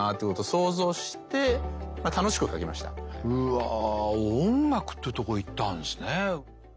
わあ音楽っていうとこいったんですね。